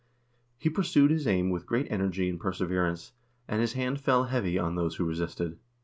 He pursued his aim with great energy and perseverance, and his hand fell heavy on those who resisted.